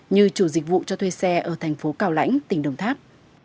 như chủ dịch vụ cho thuê xe ở thành phố cao lãnh tỉnh đồng tháp